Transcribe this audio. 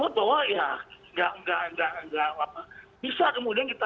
bisa kemudian kita